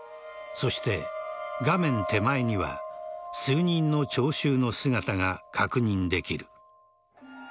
そして画面手前には数人の聴衆の姿が確認できる。